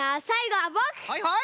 はいはい。